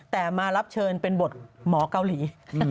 แต่มารับเชิญเป็นบทหมอเกาหลี